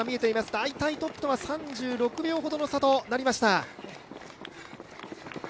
大体トップとは３６秒差となりました。